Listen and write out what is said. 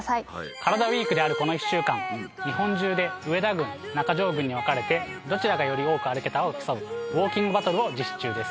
カラダＷＥＥＫであるこの１週間日本中で上田軍中条軍に分かれてどちらがより多く歩けたかを競うウオーキングバトルを実施中です。